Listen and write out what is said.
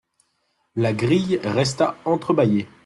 La grille resta entre-bâillée.